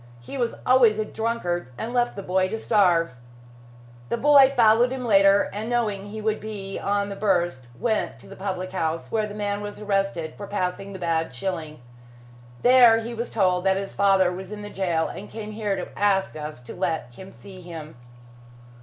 He was always a drunkard, and left the boy to starve. The boy followed him later, and knowing he would be on the burst, went to the public house, where the man was arrested for passing the bad shilling. There, he was told that his father was in jail, and came here to ask us to let him see him."